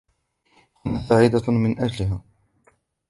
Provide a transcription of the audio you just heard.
أنا سعيدة مِن أجلِها.